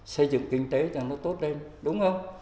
xây dựng kinh tế cho nó tốt lên đúng không